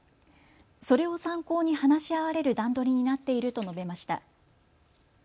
それを参考に話し合われる段取りになっていると述べました。